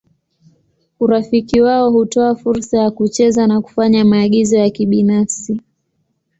Urafiki wao hutoa fursa ya kucheza na kufanya maagizo ya kibinafsi.